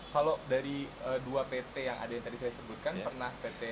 kalau dari dua pt yang ada yang tadi saya sebutkan pernah pt